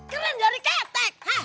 keren dari ketek